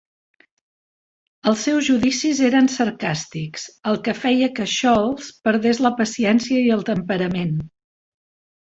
Els seus judicis eren sarcàstics, el que feia que Sholes perdés la paciència i el temperament.